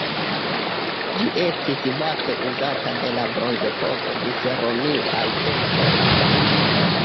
Ĝi estis vaste uzata de la bronzepoko ĝis romiaj tempoj.